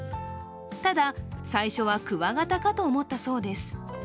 ただ、最初はクワガタかと思ったそうです。